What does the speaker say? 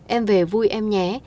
em về vui em nhé